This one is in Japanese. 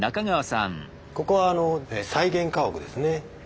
ここは再現家屋ですね。